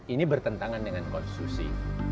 ini bertentangan dengan konstitusi